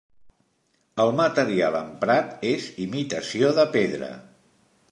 El material emprat és imitació de pedra.